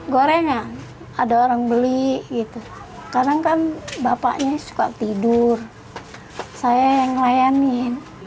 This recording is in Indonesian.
goreng ya ada orang beli gitu kadang kan bapaknya suka tidur saya yang layanin